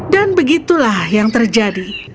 dan begitulah yang terjadi